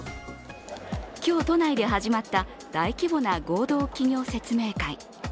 今日、都内で始まった大規模な合同企業説明会。